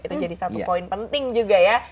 itu jadi satu poin penting juga ya